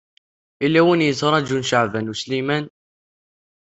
Yella win i yettṛajun Caɛban U Sliman.